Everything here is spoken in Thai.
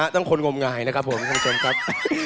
ต้องคนงมงายนะครับผมคุณผู้ชมครับ